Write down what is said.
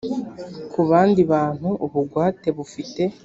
ku bandi bantu ubugwate bufite